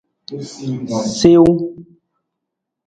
Siwung.